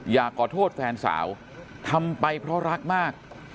อยากขอโทษแฟนสาวทำไปเพราะรักมาก